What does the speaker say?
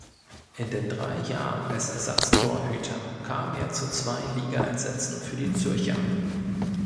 In den drei Jahren als Ersatztorhüter kam er zu zwei Ligaeinsätzen für die Zürcher.